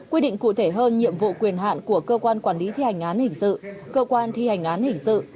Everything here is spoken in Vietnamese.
quy định cụ thể hơn nhiệm vụ quyền hạn của cơ quan quản lý thi hành án hình sự cơ quan thi hành án hình sự